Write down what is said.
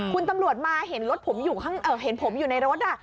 คุณตำรวจมาเห็นรถผมอยู่เห็นผมอยู่ในรถ